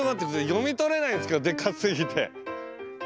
読み取れないんですけどでかすぎて。